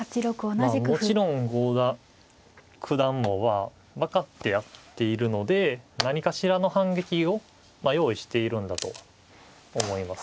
まあもちろん郷田九段は分かってやっているので何かしらの反撃を用意しているんだと思います。